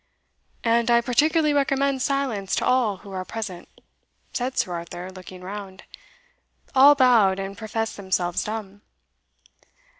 "And I particularly recommend silence to all who are present," said Sir Arthur, looking round. All bowed and professed themselves dumb.